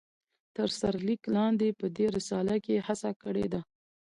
تر سر ليک لاندي په دي رساله کې هڅه کړي ده